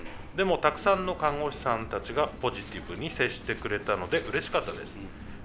でもたくさんの看護師さんたちがポジティブに接してくれたのでうれしかったです。